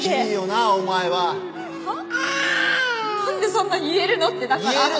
なんでそんなに言えるのってだから。